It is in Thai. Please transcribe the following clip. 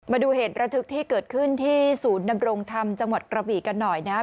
มาดูเหตุระทึกที่เกิดขึ้นที่ศูนย์ดำรงธรรมจังหวัดกระบีกันหน่อยนะครับ